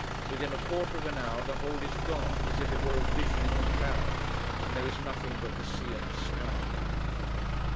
Within a quarter of an hour, the whole is gone as if it were a vision in the clouds, and there is nothing but the sea and sky.